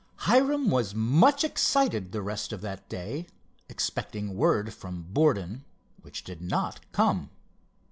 Hiram was much excited the rest of that day, expecting word from Borden, which did not come.